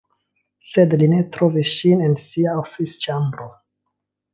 Sed li ne trovis ŝin en ŝia oficĉambro.